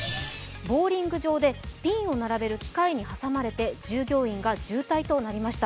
ボウリング場でピンを並べる機械に挟まれて従業員が重体となりました。